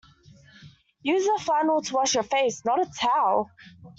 Use a flannel to wash your face, not a towel